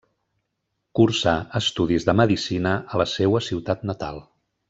Cursà estudis de medicina a la seua ciutat natal.